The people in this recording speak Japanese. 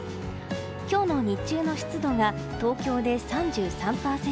今日の日中の湿度が東京で３３％